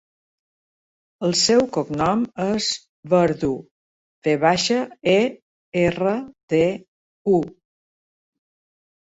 El seu cognom és Verdu: ve baixa, e, erra, de, u.